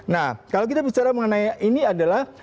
nah kalau kita bicara mengenai ini adalah